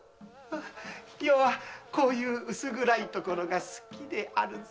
余はこういう薄暗い所が好きであるぞ。